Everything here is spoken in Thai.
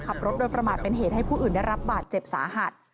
ขับรถโดยประมาทเป็นเหตุให้ผู้อื่นได้รับบาดเจ็บสาหัส